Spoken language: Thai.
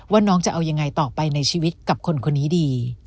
ว่าน้องจะเอายังไงต่อไปในชีวิตกับคนคนนี้ดี